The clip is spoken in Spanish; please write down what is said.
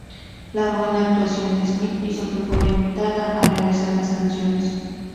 La buena actuación de Smith hizo que fuera invitada a realizar más canciones.